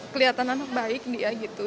kelihatan anak baik dia gitu